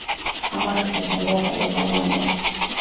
ama tutasalia palepale ambapo